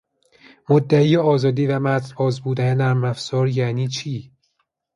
مدعی آزادی و متنباز بودن نرمافزار یعنی چی؟